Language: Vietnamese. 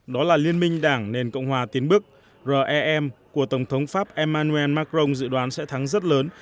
đó là liên minh đảng nền cộng hòa tiến bức rem của tổng thống pháp emmanuel macron dự đoán sẽ thắng rất lớn